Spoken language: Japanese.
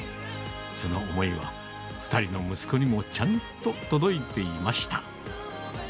その思いは、２人の息子にもちゃんと届いていました。